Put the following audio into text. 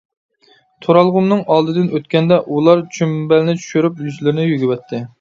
تۇرالغۇمنىڭ ئالدىدىن ئۆتكەندە، ئۇلار چۈمبەلنى چۈشۈرۈپ يۈزلىرىنى يۆگىۋەتتى.